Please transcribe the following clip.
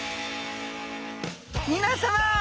皆さま！